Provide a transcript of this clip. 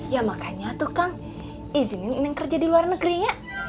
ya makanya tuh kang izinin saya kerja di luar negeri ya